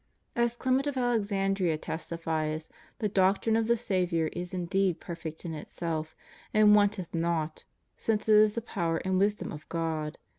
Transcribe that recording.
As Clement of Alexandria testifies, the doctrine of the Saviour is indeed perfect in itself and wanteth naught, since it is the power and wisdom of God.